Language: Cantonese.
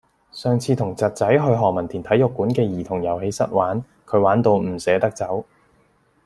上次同侄仔去何文田體育館嘅兒童遊戲室玩，佢玩到唔捨得走。